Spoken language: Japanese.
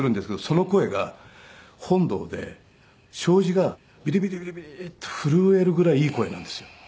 その声が本堂で障子がビリビリビリビリと震えるぐらいいい声なんですよ。